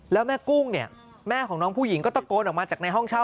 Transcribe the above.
แล้วแม่กุ้งเนี่ยแม่ของน้องผู้หญิงก็ตะโกนออกมาจากในห้องเช่า